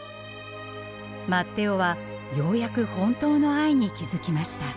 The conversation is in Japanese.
マッテオはようやく本当の愛に気付きました。